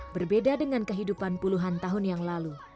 berbeda dengan kehidupan puluhan tahun yang lalu